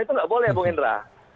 itu nggak boleh bung indra